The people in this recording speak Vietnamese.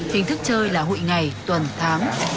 hình thức chơi là hụi ngày tuần tháng